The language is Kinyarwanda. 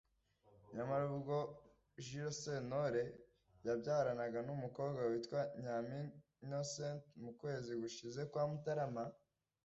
nyamara ubwo Jules Sentore yabyaranaga n’umukobwa witwa Nyampinga Innocente mu kwezi gushize kwa Mutarama